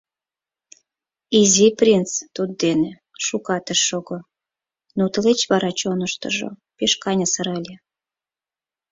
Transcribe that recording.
Изи принц туддене шукат ыш шого, но тылеч вара чоныштыжо пеш каньысыр ыле.